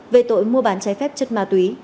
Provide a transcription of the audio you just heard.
về tội mua bán trái phép chất ma túy